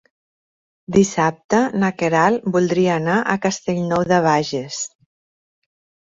Dissabte na Queralt voldria anar a Castellnou de Bages.